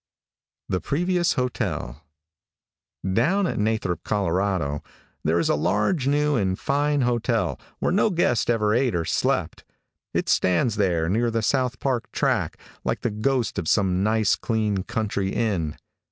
THE PREVIOUS HOTEL. |DOWN at Nathrop, Colorado, there is a large, new, and fine hotel, where no guest ever ate or slept. It stands there near the South Park track like the ghost of some nice, clean country inn.